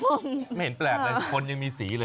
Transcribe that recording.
ไม่เห็นแปลกเลยคนยังมีสีเลย